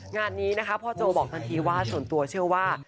งานนี้นะคะพ่อโจบอกทันทีว่าส่วนตัวเชื่อว่า